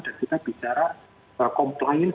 dan kita bicara komplain